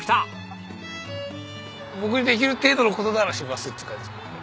僕にできる程度の事ならしますって感じ。